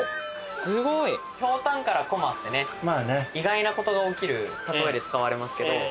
すごい！「ひょうたんからこま」ってね意外なことが起きる例えで使われますけど。